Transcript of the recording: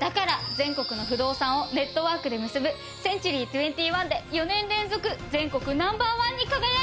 だから全国の不動産をネットワークで結ぶセンチュリー２１で４年連続全国Ｎｏ．１に輝いたの。